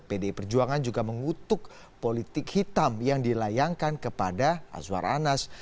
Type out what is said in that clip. pdi perjuangan juga mengutuk politik hitam yang dilayangkan kepada azwar anas